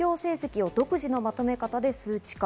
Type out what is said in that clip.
営業成績を独自のまとめ方で、数値化。